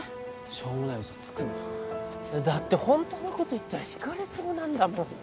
しょうもない嘘つくなだって本当のこと言ったら引かれそうなんだもん